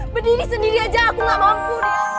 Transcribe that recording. berdiri sendiri aja aku gak mampu